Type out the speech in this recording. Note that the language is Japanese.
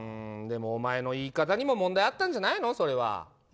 でもお前の言い方にも問題あったんじゃないの？